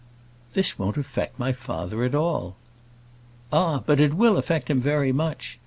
"This won't affect my father at all." "Ah, but it will affect him very much.